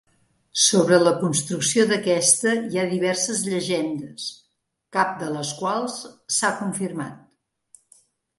Sobre la construcció d'aquesta hi ha diverses llegendes, cap de les quals s'ha confirmat.